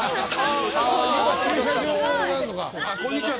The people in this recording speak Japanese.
こんにちは。